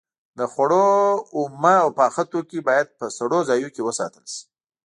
د خوړو اومه او پاخه توکي باید په سړو ځایونو کې وساتل شي.